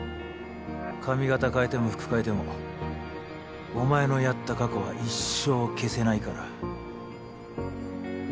髪形変えても服替えてもお前のやった過去は一生消せないから。